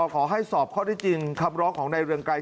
ขอให้สอบข้อได้จริงคำร้องของนายเรืองไกร